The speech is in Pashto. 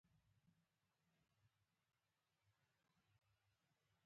خپله خواشیني مو انکل ته ویوړه.